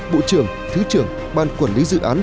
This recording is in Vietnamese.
bộ trưởng thứ trưởng ban quản lý dự án